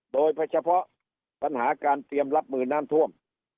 โดยเฉพาะปัญหาการเตรียมรับมือน้ำท่วม